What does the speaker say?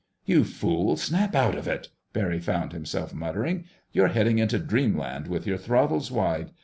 "You fool—snap out of it!" Barry found himself muttering. "You're heading into dreamland with your throttles wide.